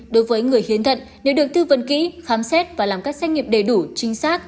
đối với người hiến thận nếu được tư vấn kỹ khám xét và làm các xét nghiệm đầy đủ chính xác